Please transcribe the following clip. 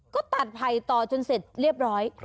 ก็ตัดไผ่ต่อจนเสร็จเรียบร้อย